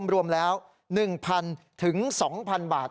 รวมแล้ว๑๐๐ถึง๒๐๐บาท